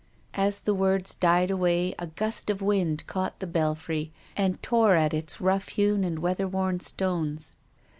As the words died away, a gust of wind caught the belfry and tore at its rough hewn and weather worn stones.